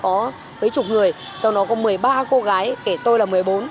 có mấy chục người trong đó có một mươi ba cô gái kể tôi là một mươi bốn